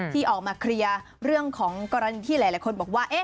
ที่ออกมาเคลียร์เรื่องของกรณีที่หลายคนบอกว่า